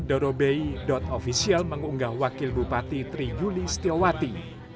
dorobay official mengunggah wakil bupati tri yuli stilwati